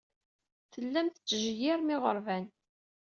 Tellam tettjeyyirem iɣerban.